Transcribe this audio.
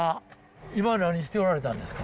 今何しておられたんですか？